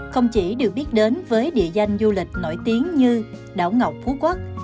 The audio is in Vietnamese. không chỉ được biết đến với địa danh du lịch nổi tiếng như đảo ngọc phú quốc